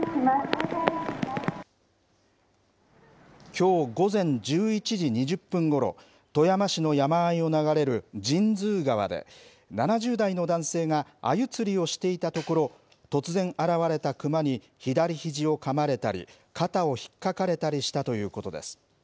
きょう午前１１時２０分ごろ富山市の山あいを流れる神通川で７０代の男性があゆ釣りをしていたところ突然現れた熊に左ひじをかまれたり肩をひっかかれたりしたということです。